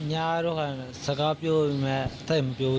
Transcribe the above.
เขาบอกว่าน้องเมื่อคืนพูด